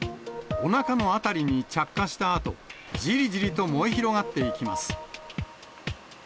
おなかの辺りに着火したあと、じりじりと燃え広がっていきます。